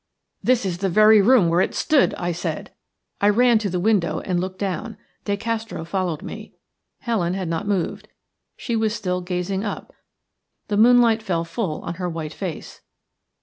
"This is the very room where it stood," I said. I ran to the window and looked down. De Castro followed me. Helen had not moved. She was still gazing up – the moonlight fell full on her white face.